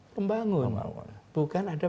pembangun bukan ada